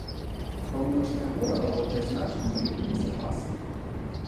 Паўночнае мора валодае значнымі рыбнымі запасамі.